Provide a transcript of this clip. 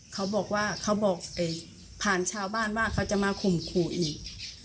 เขาบอกว่าเขาบอกผ่านชาวบ้านว่าเขาจะมาข่มขู่อีก